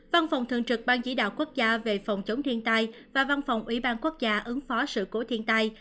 văn phòng thường trực ban chỉ đạo quốc gia về phòng chống thiên tai và văn phòng ủy ban quốc gia ứng phó sự cố thiên tai